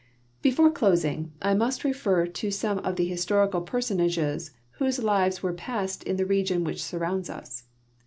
Before closing, I must refer to some of tlie historic personages whose lives were passed in the region which surrounds us.